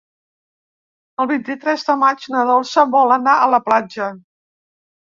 El vint-i-tres de maig na Dolça vol anar a la platja.